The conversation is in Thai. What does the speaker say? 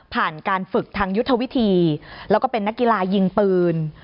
การฝึกทางยุทธวิธีแล้วก็เป็นนักกีฬายิงปืน